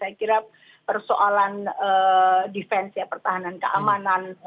saya kira persoalan defense ya pertahanan keamanan